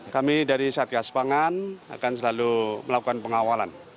kami dari satgas pangan akan selalu melakukan pengawalan